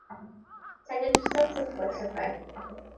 Ti angen dwsto'r silffoedd llyfre.